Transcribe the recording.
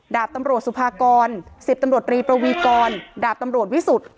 ดาบตำรวจสุภากร๑๐ตำรวจรีประวีกรดาบตำรวจวิสุทธิ์